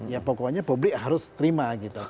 ya pokoknya publik harus terima gitu